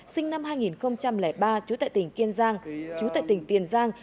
sinh năm hai nghìn ba trú tại tỉnh tiền giang